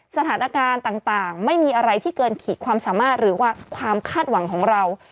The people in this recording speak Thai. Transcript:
สถานการณ์ต่างไม่มีอะไรที่เกินขีดความสามารถหรือว่าความคาดหวังของเรา